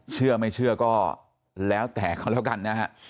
เชื่อไม่เชื่อก็แล้วแต่เขาแล้วกันนะฮะ